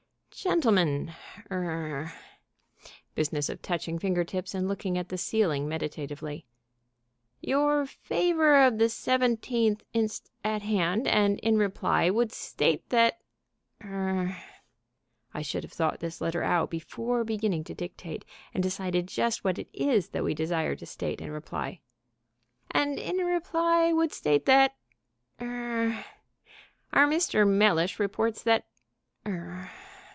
Gentlemen er (business of touching finger tips and looking at the ceiling meditatively) Your favor of the 17th inst. at hand, and in reply would state that er (I should have thought this letter out before beginning to dictate and decided just what it is that we desire to state in reply) and in reply would state that er ... our Mr. Mellish reports that er